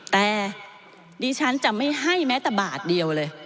แต่ดิฉันจะไม่ให้แม้แต่บาทเดียวเลย